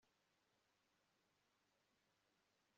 nkiri n'urusoro, amaso yawe yarambonaga